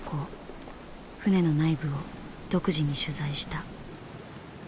船の内部を独自に取材した。